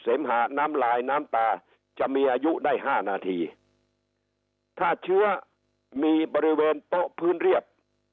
มหาน้ำลายน้ำตาจะมีอายุได้ห้านาทีถ้าเชื้อมีบริเวณโต๊ะพื้นเรียบ